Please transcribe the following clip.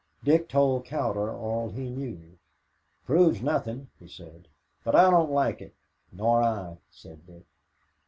Dick told Cowder all he knew. "Proves nothing," he said, "but I don't like it." "Nor I," said Dick.